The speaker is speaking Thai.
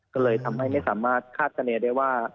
ก็เลยทำให้ไม่สามารถคาดเสน่ห์ได้ว่า